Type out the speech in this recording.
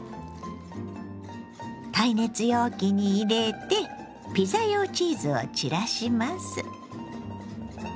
耐熱容器に入れてピザ用チーズを散らします。